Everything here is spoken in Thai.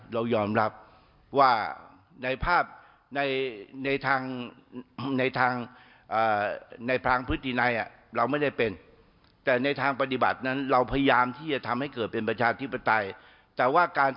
ร้อยละ๕๐๖๐ค่ะ